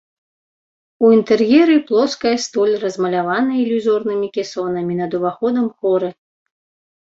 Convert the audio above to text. У інтэр'еры плоская столь размалявана ілюзорнымі кесонамі, над уваходам хоры.